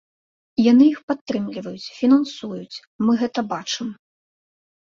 Яны іх падтрымліваюць, фінансуюць, мы гэта бачым.